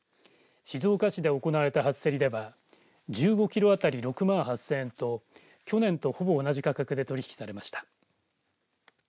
静岡市で行われた初競りでは１５ｋｇあたり６万８０００円と去年とほぼ同じ価格で取引されました。